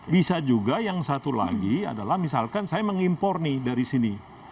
bisa juga yang satu lagi adalah misalkan saya mengimpor nih dari sini